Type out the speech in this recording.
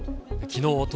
きのう